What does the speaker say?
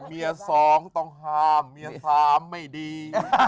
เมียสองต้องห้ามเมียสามไม่ดี